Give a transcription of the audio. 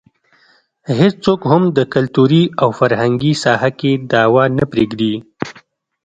هېڅوک هم د کلتوري او فرهنګي ساحه کې دعوه نه پرېږدي.